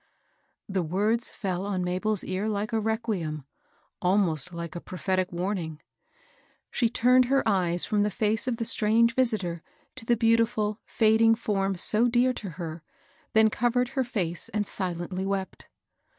The words fell on Mabel's ear like a requiem, — almost like a prophetic warning. She turned her eyes from the face of her strange visitor to the beautiful, fading form so dear to her, then covered her face and silently wept.